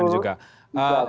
ini pertanyaan juga